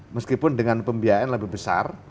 meskipun dengan pembiayaan lebih besar